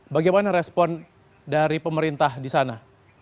bagaimana respon dari pemerintah di sana